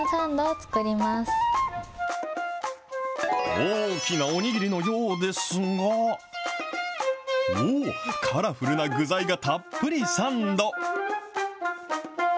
大きなお握りのようですが、おー、カラフルな具材がたっぷりサンド。